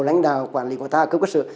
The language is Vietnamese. lãnh đạo quản lý của ta ở cơ sở